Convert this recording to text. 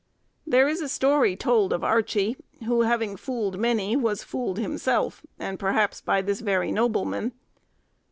There is a story told of Archie, who having fooled many was fooled himself; and perhaps by this very nobleman.